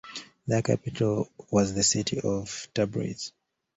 Their capital was the city of Tabriz.